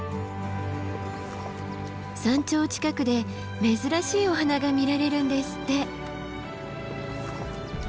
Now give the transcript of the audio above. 山頂近くで珍しいお花が見られるんですって。